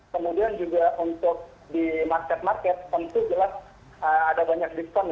kemudian juga untuk di market market tentu jelas ada banyak diskon